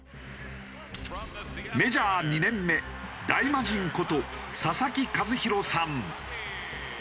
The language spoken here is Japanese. メジャー２年目大魔神こと佐々木主浩さん。